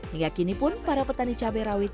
hingga kini pun para petani cabai rawit